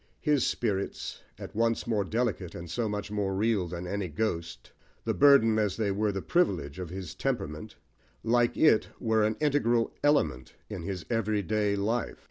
His "spirits," at once more delicate, and so much more real, than any ghost the burden, as they were the privilege, of his temperament like it, were an integral element in his everyday life.